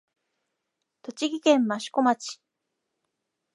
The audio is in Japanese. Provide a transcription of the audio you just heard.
栃木県益子町